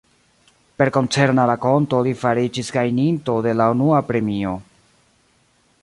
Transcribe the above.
Per koncerna rakonto li fariĝis gajninto de la unua premio.